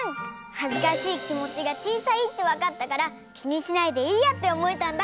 はずかしいきもちがちいさいってわかったからきにしないでいいやっておもえたんだ。